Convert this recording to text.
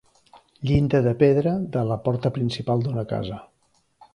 Llinda de pedra de la porta principal d'una casa.